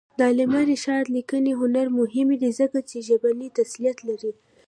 د علامه رشاد لیکنی هنر مهم دی ځکه چې ژبنی تسلط لري.